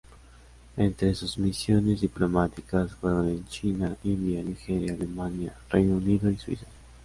Entre sus misiones diplomáticas fueron en China, India, Nigeria, Alemania, Reino Unido y Suiza.